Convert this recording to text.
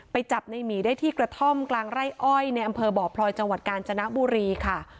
จับในหมีได้ที่กระท่อมกลางไร่อ้อยในอำเภอบ่อพลอยจังหวัดกาญจนบุรีค่ะ